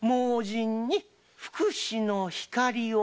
盲人に福祉の光を。